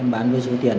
em bán với điện